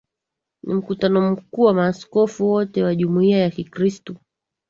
Ni Mkutano Mkuu wa Maaskofu wote wa Jumuiya ya Kikristu